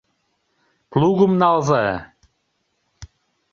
Плугым налза.